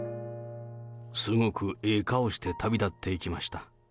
すごくええ顔して旅立っていきました。